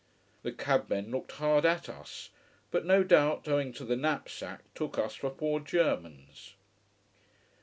The cab men looked hard at us: but no doubt owing to the knapsack, took us for poor Germans.